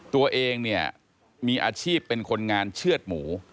ตัวเองเนี่ยมีอาชีพเป็นคนงานเชื่อดหมู